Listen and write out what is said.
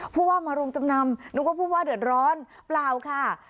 ผู้ว่ามาโรงจำนำนึกว่าผู้ว่าเดือดร้อนเปล่าค่ะ